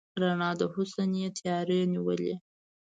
رڼا د حسن یې تیارو نیولې